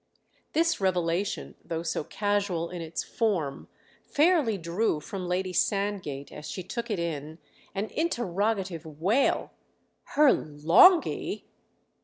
This revelation, though so casual in its form, fairly drew from Lady Sandgate, as she took it in, an interrogative wail. "Her Longhi?"